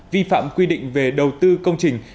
vi phạm quy định về đầu tư công trình